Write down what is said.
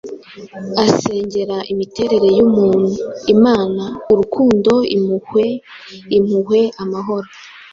Asengera imiterere yumuntu imana: Urukundo, Impuhwe, Impuhwe, Amahoro.